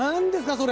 それ！